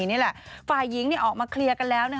นี่แหละฝ่ายหญิงออกมาเคลียร์กันแล้ว